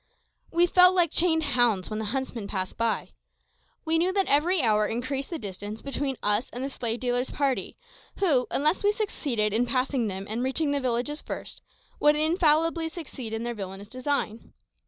We felt like chained hounds when the huntsmen pass by. We knew that every hour increased the distance between us and the slave dealer's party, who, unless we succeeded in passing them and reaching the villages first, would infallibly succeed in their villainous design.